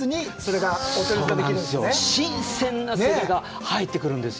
新鮮なセリが入ってくるんですよ。